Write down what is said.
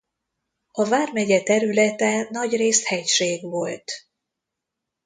A vármegye területe nagyrészt hegység volt.